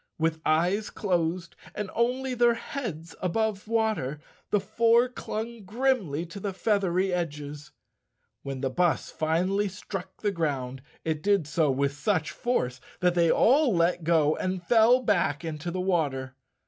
With eyes closed, and only their heads above water, the four clung grimly to the feathery edges. When the bus finally struck the ground it did so with such force that they all let go and fell back into the water.